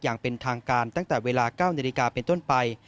อย่างเป็นทางการตั้งแต่เวลา๙นาฬิกาเป็นต้นไป